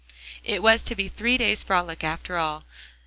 It was to be a three days' frolic, after all.